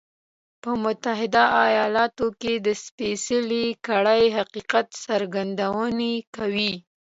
په متحده ایالتونو کې د سپېڅلې کړۍ حقیقت څرګندونه کوي.